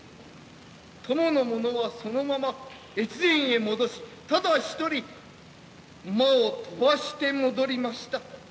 供の者はそのまま越前へ戻しただ一人馬を飛ばして戻りました。